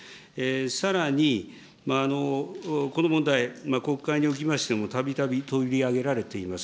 さらに、この問題、国会におきましてもたびたび取り上げられています。